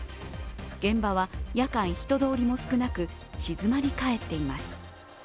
現場は夜間、人通りも少なく静まりかえっています。